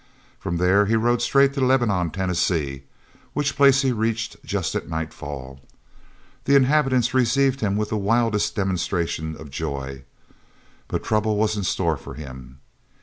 From there he rode straight for Lebanon, Tennessee, which place he reached just at nightfall. The inhabitants received him with the wildest demonstration of joy. But trouble was in store for him.